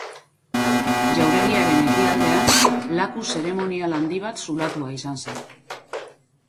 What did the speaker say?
Jauregiaren ekialdean, laku zeremonial handi bat zulatua izan zen.